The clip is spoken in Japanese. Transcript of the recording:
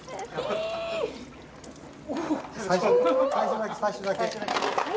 最初だけ、最初だけ。